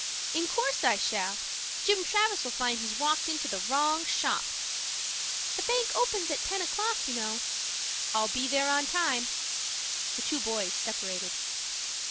"In course I shall. Jim Travis'll find he's walked into the wrong shop." "The bank opens at ten o'clock, you know." "I'll be there on time." The two boys separated.